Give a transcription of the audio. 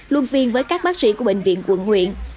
luôn phiên với các bác sĩ của bệnh viện quận huyện